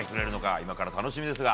今から楽しみですが。